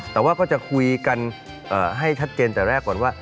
แต่ว่าก็จะคุยกันให้ชัดเจนแต่แรกก่อนว่า